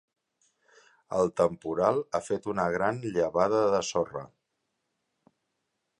El temporal ha fet una gran llevada de sorra.